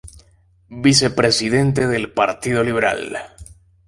Vicepresidente del Partido Liberal.